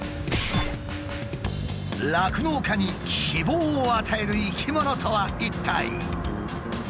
酪農家に希望を与える生き物とは一体。